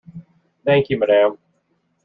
Thank you, madam.